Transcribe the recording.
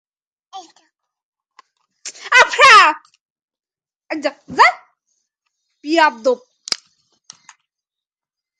সালমানের বাজারটি ভাইজান দৌড় শুরু করেছে আমিরের পিকের সর্বোচ্চ আয়ের রেকর্ড ভাঙার।